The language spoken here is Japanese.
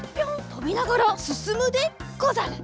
とびながらすすむでござる。